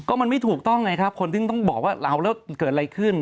มันไม่ถูกต้องไงครับคนที่ต้องบอกว่าเราแล้วเกิดอะไรขึ้น